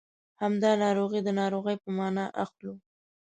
همدا ناروغي د ناروغۍ په مانا اخلو.